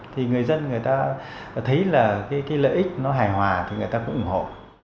thì người dân người ta thấy là cái lợi ích nó hài hòa thì người ta cũng ủng hộ